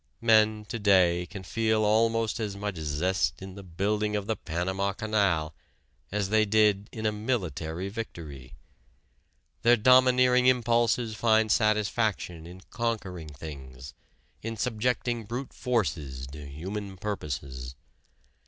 Men to day can feel almost as much zest in the building of the Panama Canal as they did in a military victory. Their domineering impulses find satisfaction in conquering things, in subjecting brute forces to human purposes.